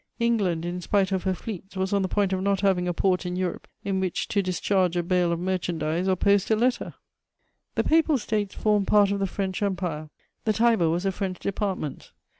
England, in spite of her fleets, was on the point of not having a port in Europe in which to discharge a bale of merchandise or post a letter. [Sidenote: Napoleon's position in 1813.] The Papal States formed part of the French Empire; the Tiber was a French department.